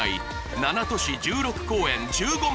７都市１６公演１５万